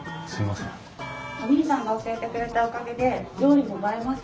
おにいさんが教えてくれたおかげで料理も映えました。